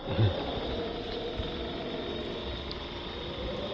อืม